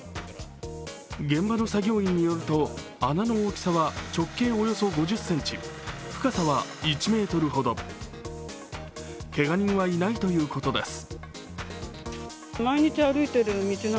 現場の作業員によると穴の大きさは直径およそ５０ｃｍ深さは１ｍほど、けが人はいないということです。